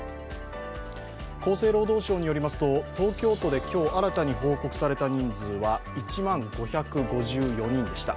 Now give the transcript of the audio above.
厚生労働省によりますと東京都で今日新たに報告された人数は１万５５４人でした。